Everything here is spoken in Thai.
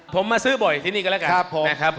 ผมมาซื้อบ่อยที่นี้ก็และกัน